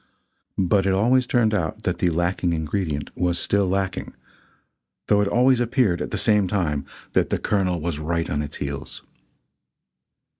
But it always turned out that the lacking ingredient was still lacking though it always appeared, at the same time, that the Colonel was right on its heels.